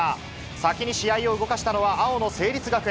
先に試合を動かしたのは、青の成立学園。